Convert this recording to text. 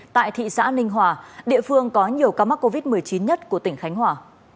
tại thị xã ninh hòa địa phương có nhiều ca mắc covid một mươi chín nhất của tỉnh khánh hòa